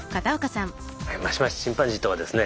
マシマシチンパンジーとはですね